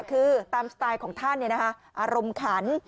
คือตามสไตล์ของท่านเนี่ยนะคะอารมณ์ขัน